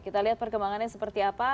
kita lihat perkembangannya seperti apa